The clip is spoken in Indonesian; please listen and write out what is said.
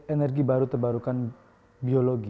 energi baru terbarukan biologi